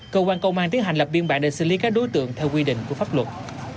cơ quan công an tiến hành lập biên bản để xử lý các đối tượng theo quy định của pháp luật